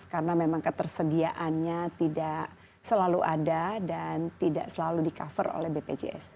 karena memang ketersediaannya tidak selalu ada dan tidak selalu di cover oleh bpjs